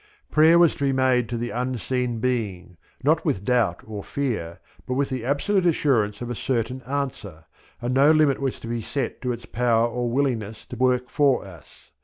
Prayer was to be made to the unseen Being, not with doubt or fear, but with the absolute assurance of a certain answer, and no limit was to be set to its power or willingness to work for us.